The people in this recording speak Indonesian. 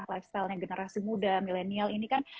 lifestyle nya generasi muda milenial ini kan